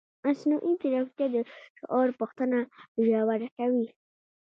مصنوعي ځیرکتیا د شعور پوښتنه ژوره کوي.